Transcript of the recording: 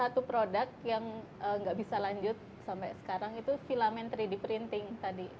ada satu produk yang nggak bisa lanjut sampai sekarang itu filament tiga d printing tadi